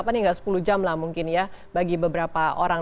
delapan jam ya nggak sepuluh jam lah mungkin ya bagi beberapa orang